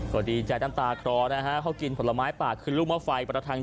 เค้าต้องนอนกันอย่างไรนอนกับพื้นกับดินแน่แหละ